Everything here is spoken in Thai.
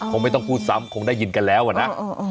คงไม่ต้องพูดซ้ำคงได้ยินกันแล้วอะนะ